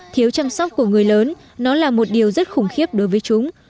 thiếu chăm sóc của người lớn nó là một điều rất khủng khiếp đối với chúng